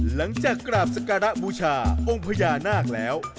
หลังจากกราบศักดาแหละบูชอะองค์พญานาคแล้ว